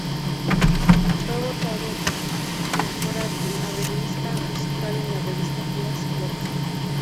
Fue votado mejor arreglista musical en la revista "Cash Box".